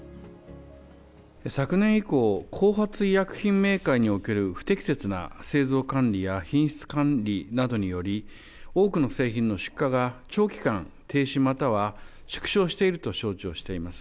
昨年以降、後発医薬品メーカーにおける不適切な製造管理や品質管理などにより、多くの製品の出荷が長期間停止、または縮小していると承知をしております。